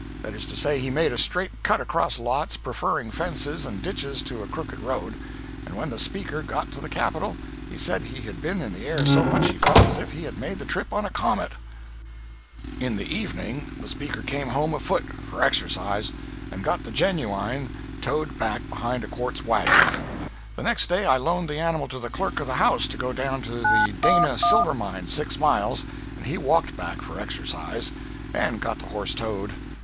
That is to say, he made a straight cut across lots, preferring fences and ditches to a crooked road; and when the Speaker got to the Capitol he said he had been in the air so much he felt as if he had made the trip on a comet. 183.jpg (50K) In the evening the Speaker came home afoot for exercise, and got the Genuine towed back behind a quartz wagon. The next day I loaned the animal to the Clerk of the House to go down to the Dana silver mine, six miles, and he walked back for exercise, and got the horse towed.